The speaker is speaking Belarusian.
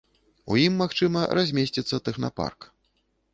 У ім, магчыма, размесціцца тэхнапарк.